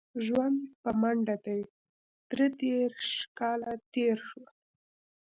ژوند په منډه دی درې دېرش کاله تېر شول.